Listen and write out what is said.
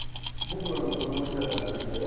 僕らの子ども時代はありましたよ。